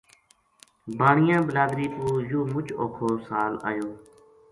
بانیا بلادری پو یوہ مُچ اوکھو سال آیو